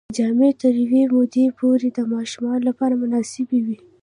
جامې تر یوې مودې پورې د ماشوم لپاره مناسبې وي.